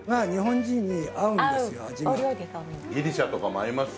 ギリシャとかも合いますよ